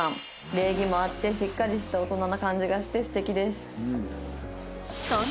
「礼儀もあってしっかりした大人な感じがして素敵です」。